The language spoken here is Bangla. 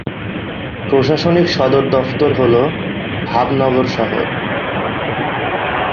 প্রশাসনিক সদর দফতর হল ভাবনগর শহর।